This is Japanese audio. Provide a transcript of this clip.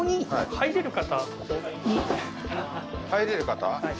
入れる方？